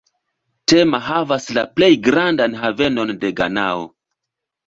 Tema havas la plej grandan havenon de Ganao.